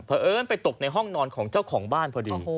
เพราะเอิ้นไปตกในห้องนอนของเจ้าของบ้านพอดี